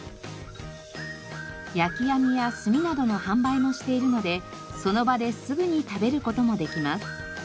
焼き網や炭などの販売もしているのでその場ですぐに食べる事もできます。